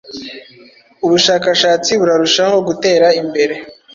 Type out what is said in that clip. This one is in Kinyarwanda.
ubushakashatsi burarushaho gutera imbere